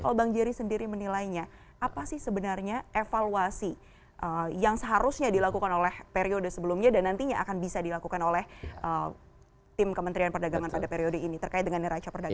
kalau bang jerry sendiri menilainya apa sih sebenarnya evaluasi yang seharusnya dilakukan oleh periode sebelumnya dan nantinya akan bisa dilakukan oleh tim kementerian perdagangan pada periode ini terkait dengan neraca perdagangan